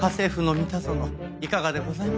いかがでございましょうか？